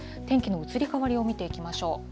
天気の移り変わりを見ていきましょう。